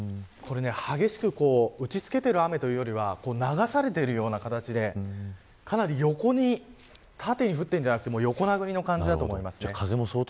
激しく打ち付けている雨というよりは流されているような形でかなり横に、縦に降っているんじゃなくて横殴りな感じだと思います。